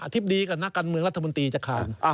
ธิบดีกับนักการเมืองรัฐมนตรีจะขาด